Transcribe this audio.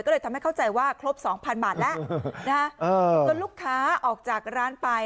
ก็เลยทำให้เข้าใจว่าครบ๒๐๐บาทแล้วจนลูกค้าออกจากร้านไป